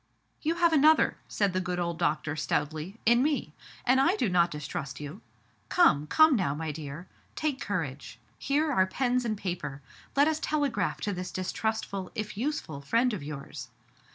" You have another, said the good old doctor stoutly, " in me. And I do not distrust you. Come ! come now, my dear. Take courage. Here are pens and paper. Let us telegraph to this distrustful, if useful, friend of yours.